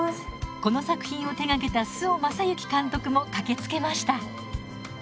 この作品を手がけた周防正行監督も駆けつけました。